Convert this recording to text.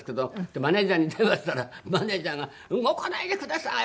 でマネジャーに電話したらマネジャーが「動かないでください！